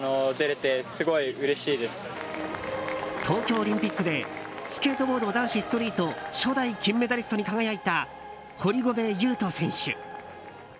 東京オリンピックでスケートボード男子ストリート初代金メダリストに輝いた堀米雄斗選手。